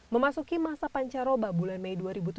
memasuki masa pancaroba bulan mei dua ribu tujuh belas